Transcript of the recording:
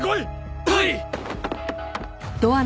はい！